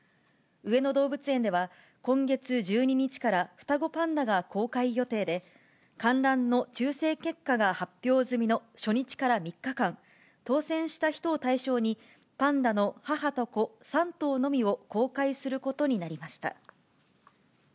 上野動物園では、今月１２日から双子パンダが公開予定で、観覧の抽せん結果が発表済みの初日から３日間、当せんした人を対象に、パンダの母と子３頭のみを公開することになりました。